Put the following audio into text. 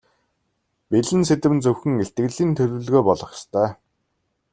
Бэлэн сэдэв нь зөвхөн илтгэлийн төлөвлөгөө болох ёстой.